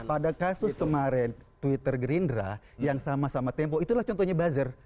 pada kasus kemarin twitter gerindra yang sama sama tempo itulah contohnya buzzer